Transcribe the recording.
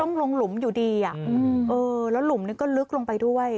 ต้องลงหลุมอยู่ดีอ่ะเออแล้วหลุมนี่ก็ลึกลงไปด้วย